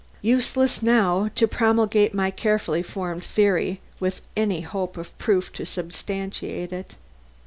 Useless now to promulgate my carefully formed theory, with any hope of proof to substantiate it.